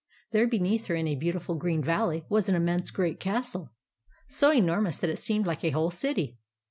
There beneath her, in a beautiful green valley, was an immense great castle, so enormous that it seemed like a whole city.